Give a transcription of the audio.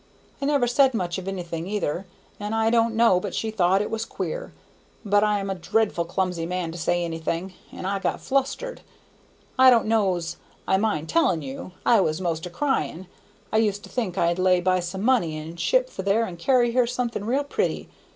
I never said much of anything either, and I don't know but she thought it was queer, but I am a dreadful clumsy man to say anything, and I got flustered. I don't know's I mind telling you; I was 'most a crying. I used to think I'd lay by some money and ship for there and carry her something real pretty.